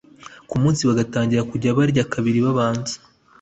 ku munsi bagatangira kujya barya kabiri babanza